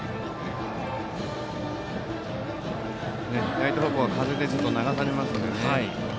ライト方向は風で流されますから。